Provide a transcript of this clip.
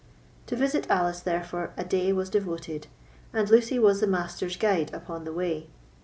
To visit Alice, therefore, a day was devoted, and Lucy was the Master's guide upon the way.